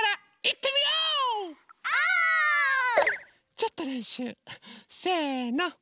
ちょっとれんしゅう。せの。